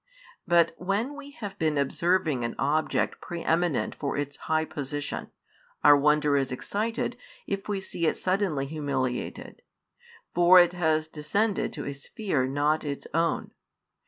But when we have been observing an object pre eminent for its high position, our wonder is excited if we see it suddenly humiliated: for it has descended to a sphere not its own.